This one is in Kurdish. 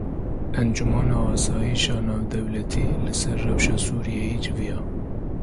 Encûmena Asayîşa Navdewletî li ser rewşa Sûriyeyê civiya.